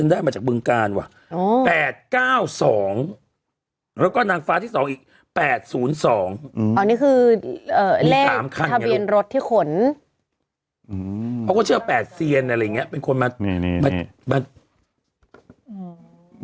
ได้มาจากเบื้องการว่ะ๘๙๒แล้วก็นางฟ้าที่๒อีก๘๐๒มี๓ขั้นอันนี้คือเลขทะเบียนรถที่ขนเขาก็เชื่อ๘เซียนอะไรอย่างเงี้ย